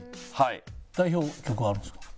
代表曲はあるんですか？